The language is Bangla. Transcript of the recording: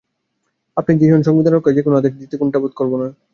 আপনি যেই হোন, সংবিধান রক্ষায় যেকোনো আদেশ দিতে কুণ্ঠাবোধ করব না।